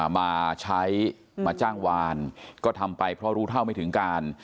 มาใช้มาจ้างวานก็ทำไปเพราะรู้เท่าไม่ถึงการ